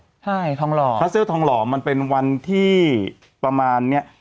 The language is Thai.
ใช่ทองหล่อคัสเตอร์ทองหล่อมันเป็นวันที่ประมาณเนี้ย